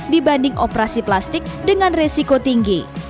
dibanding operasi plastik dengan resiko tinggi